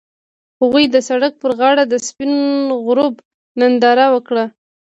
هغوی د سړک پر غاړه د سپین غروب ننداره وکړه.